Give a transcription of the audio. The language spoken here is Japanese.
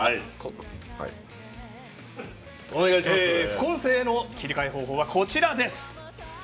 副音声の切り替え方法はこちらです。